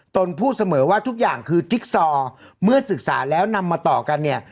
นพูดเสมอว่าทุกอย่างคือจิ๊กซอเมื่อศึกษาแล้วนำมาต่อกันเนี่ย